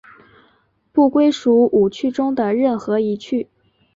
不归属五趣中的任何一趣。